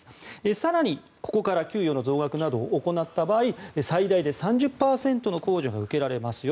更に、ここから給与の増額などを行った場合最大で３０％の控除が受けられますよ